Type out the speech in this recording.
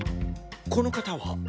この方は？